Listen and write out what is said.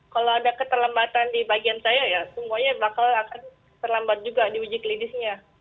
kalau ada keterlambatan di bagian saya ya semuanya bakal akan terlambat juga diuji klinisnya